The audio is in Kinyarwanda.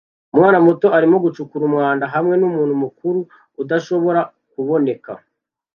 Umwana muto arimo gucukura umwanda hamwe numuntu mukuru udashobora kuboneka